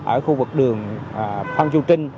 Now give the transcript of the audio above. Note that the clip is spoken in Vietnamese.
ở khu vực đường phan chu trinh